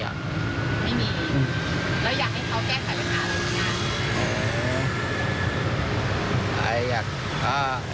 ไม่มีอีกแล้วอยากให้เขาแก้คันธรรมชาติหรือไม่มีอีก